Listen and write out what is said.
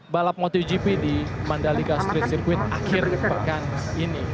balap motogp di mandalika street circuit akhir pekan ini